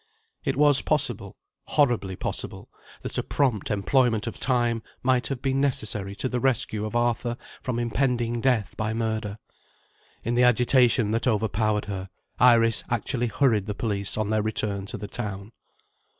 It was possible, horribly possible, that a prompt employment of time might have been necessary to the rescue of Arthur from impending death by murder. In the agitation that overpowered her, Iris actually hurried the police on their return to the town.